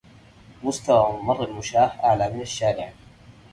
مستوى ممر المشاة أعلى من الشارع.